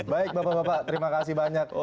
baik bapak bapak terima kasih banyak